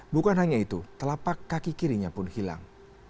bukan hanya itu telapak kaki kirinya pun hilang